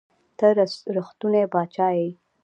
ته رښتونے باچا ئې